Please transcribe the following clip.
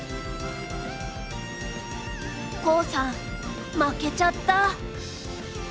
航さん負けちゃった。